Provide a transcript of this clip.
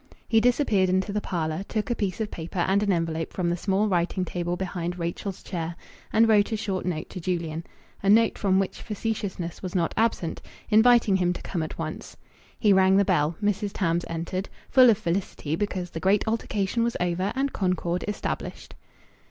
He disappeared into the parlour, took a piece of paper and an envelope from the small writing table behind Rachel's chair, and wrote a short note to Julian a note from which facetiousness was not absent inviting him to come at once. He rang the bell. Mrs. Tams entered, full of felicity because the great altercation was over and concord established.